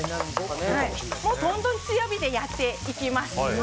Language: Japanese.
強火でやっていきます。